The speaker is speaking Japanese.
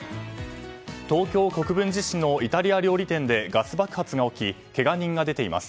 東京・国分寺市のイタリア料理店でガス爆発が起きけが人が出ています。